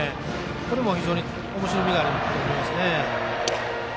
これも非常におもしろみがありますね。